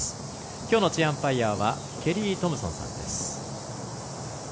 きょうのチェアアンパイアはケリー・トムソンさんです。